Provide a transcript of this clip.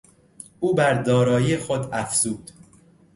او بر دارایی خود افزود.